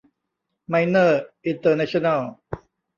ไมเนอร์ อินเตอร์เนชั่นแนล